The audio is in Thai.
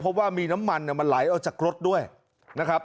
เพราะว่ามีน้ำมันมันไหลออกจากรถด้วยนะครับ